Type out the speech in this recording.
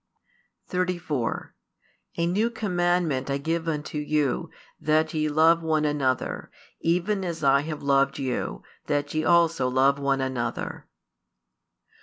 34 A new commandment I give unto you, that ye love one another; even as I have loved you, that ye also love one another.